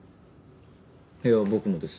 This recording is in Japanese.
いや僕もです。